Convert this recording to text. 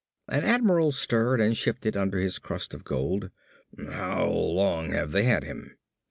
An admiral stirred and shifted under his crust of gold. "How long have they had him?"